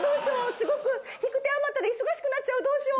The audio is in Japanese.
すごく引く手あまたで忙しくなっちゃうどうしよ！